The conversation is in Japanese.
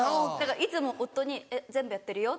いつも夫に「全部やってるよ」